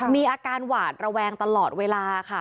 มีอาการหวาดระแวงตลอดเวลาค่ะ